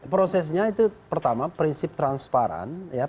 prosesnya itu pertama prinsip transparan